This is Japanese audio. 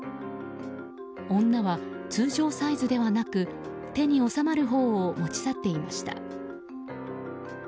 女は通常サイズではなく手に収まるほうを持ち去っていました。